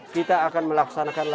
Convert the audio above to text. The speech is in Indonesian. kita akan melaksanakan